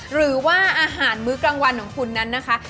หรือว่าอาหารมื้อกลางวันของคุณนั้นนะคะ